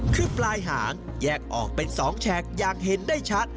คือปลายหางแยกออกเป็น๒แฉกอย่างเห็นได้ชัด